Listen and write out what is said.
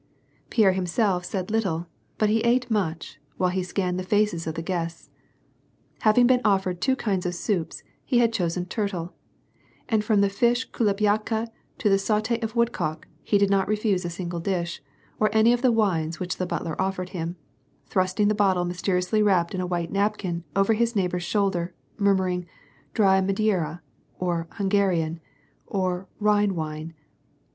Pierre himself said little but he ate much, while he scanned the faces of the guests. Having been offered two kinds of soups he had chosen turtle, and from the fish kulebi/aka to the saute of woodcock, he did not refuse a single dish, or any of the wines which the butler offered him ; thrusting the bottle, mysteriously wrapped in a white napkin, over his neighbor's shoulder, murmuring: "dry Madeira," or "Hungarian," or "Rhine wine."